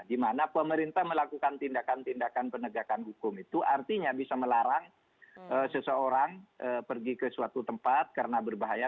dimana pemerintah melakukan tindakan tindakan penegakan hukum itu artinya bisa melarang seseorang pergi ke suatu tempat karena berbahaya